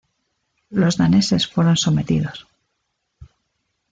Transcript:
Los daneses fueron sometidos.